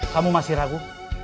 kamu masih ragu